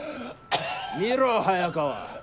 見ろ早川。